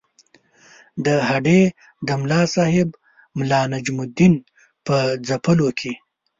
د هډې د ملاصاحب ملا نجم الدین په ځپلو کې.